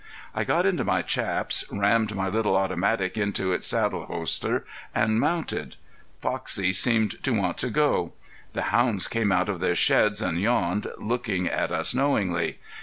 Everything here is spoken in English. I got into my chaps, rammed my little automatic into its saddle holster and mounted. Foxie seemed to want to go. The hounds came out of their sheds and yawned, looking at us knowingly.